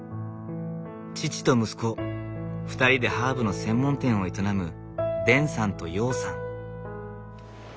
父と息子２人でハーブの専門店を営むデンさんと陽さん。